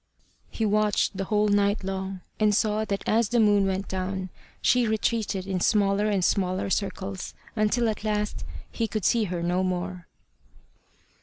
He watched the whole night long, and saw that as the moon went down she retreated in smaller and smaller circles, until at last he could see her no more.